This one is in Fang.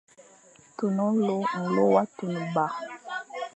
Tun nlô, nlô wa tunba.